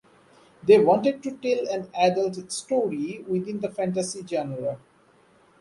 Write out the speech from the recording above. They wanted to tell an adult story within the fantasy genre.